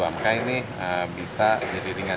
maka ini bisa jadi ringan